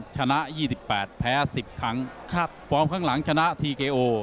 ชนะยี่สิบแปดแพ้สิบครั้งครับฟอร์มข้างหลังชนะทีเกโอ